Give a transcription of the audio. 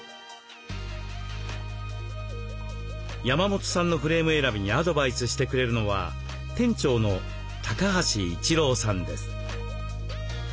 山本さんのフレーム選びにアドバイスしてくれるのは店長の橋一郎さんです。